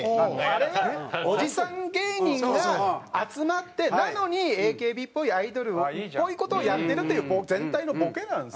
あれはおじさん芸人が集まってなのにＡＫＢっぽいアイドルっぽい事をやってるという全体のボケなんですよ。